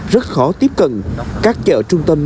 rất khó tiếp cận các chợ trung tâm